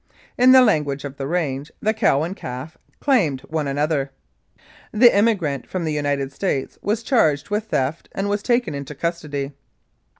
In the language of the range, the cow and calf "claimed one another." The immi grant from the United States was charged with theft and was taken into custody.